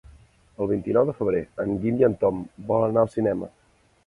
El vint-i-nou de febrer en Guim i en Tom volen anar al cinema.